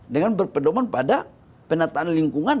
dengan berpedoman pada penataan lingkungan